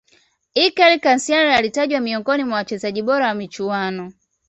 iker casilas alitajwa miongoni mwa wachezaji bora wa michuano